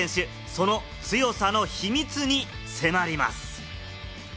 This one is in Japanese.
その強さの秘密に迫ります。